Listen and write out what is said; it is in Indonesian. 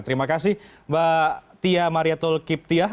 terima kasih mbak tia mariatul kiptiah